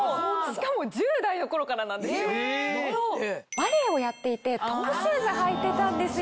バレエをやっていてトゥシューズ履いてたんですよ。